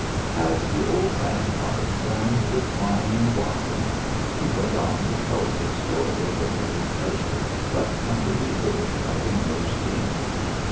As the old man s heart warmed with wine and wassail, he went on to tell us a story of the buried treasure left under the earth by the Moor ish king.